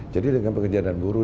jadi dengan pekerja dan buruh